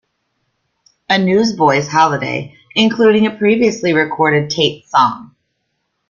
A Newsboys Holiday, including a previously recorded Tait song.